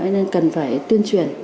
nên cần phải tuyên truyền